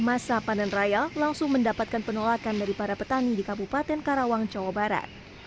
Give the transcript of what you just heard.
masa panen raya langsung mendapatkan penolakan dari para petani di kabupaten karawang jawa barat